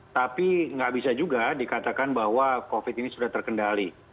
tapi nggak bisa juga dikatakan bahwa covid ini sudah terkendali